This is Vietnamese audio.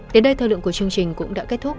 đến đây thời lượng của chương trình cũng đã kết thúc